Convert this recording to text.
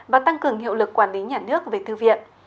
và tăng cường hiệu lực quản lý nhà nước về thư viện